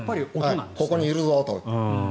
ここにいると。